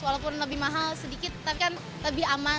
walaupun lebih mahal sedikit tapi kan lebih aman